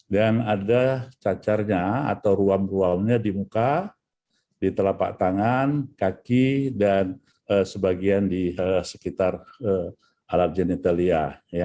dan ada cacarnya atau ruam ruamnya di muka di telapak tangan kaki dan sebagian di sekitar alat genitalia